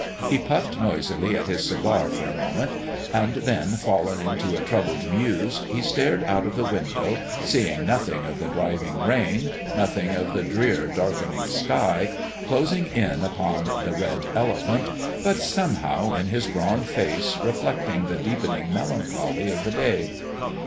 He puffed noisily at his cigar, for a mo ment, and then, fallen into a troubled muse, he stared out of the window, seeing nothing of the driving rain, nothing of the drear, darkening sky, closing in upon the Red Elephant, but somehow, in his drawn face, reflecting the deep ening melancholy of the day.